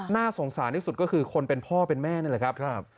น่าสงสารที่สุดก็คือคนเป็นพ่อเป็นแม่นั่นแหละครับ